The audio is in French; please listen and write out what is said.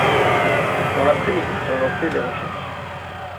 Dans l'après-midi sont lancées les recherches.